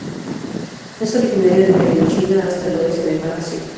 Es originario de Indochina hasta el oeste de Malasia.